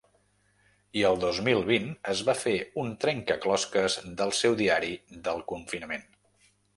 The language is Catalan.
I el dos mil vint es va fer un trencaclosques del seu diari del confinament.